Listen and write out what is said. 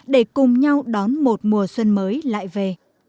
để cùng nhau đón một mùa xuân mới lại về